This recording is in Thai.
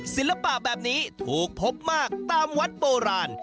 ศิลปะแบบนี้ถูกพบมากตามวัดโบราณ